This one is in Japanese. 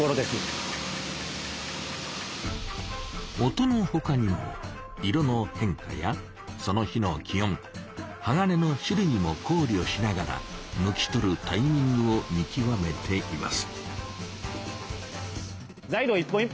音のほかにも色の変化やその日の気温鋼の種類もこうりょしながら抜き取るタイミングを見極めています。